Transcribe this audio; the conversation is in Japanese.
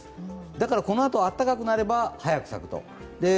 だから、このあと暖かくなれば早く咲くと。